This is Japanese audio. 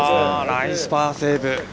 ナイスパーセーブ。